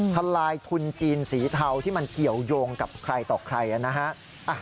ทลายทุนจีนสีเทาที่มันเกี่ยวยงกับใครต่อใครนะฮะ